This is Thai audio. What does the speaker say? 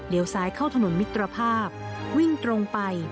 เดี๋ยวซ้ายเข้าถนนมิตรภาพวิ่งตรงไป